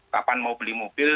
kapan mau beli mobil